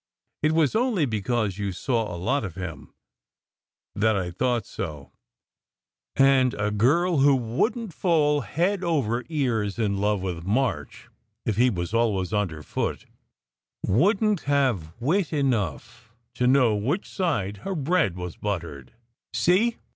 It was only because you saw a lot of him, that I thought so; and a girl who wouldn t fall head over ears in love with March, if he was always underfoot, wouldn t have wit enough to know which side her bread was but tered. See?"